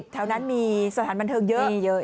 แถวนั้นมีสถานบันเทิงเยอะ